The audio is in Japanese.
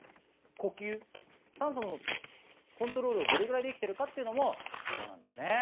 呼吸酸素のコントロールをどれぐらいできてるかっていうのも重要なんですね。